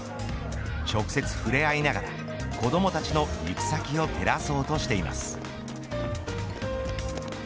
直接触れ合いながら子どもたちの行く先を照らそうとしています。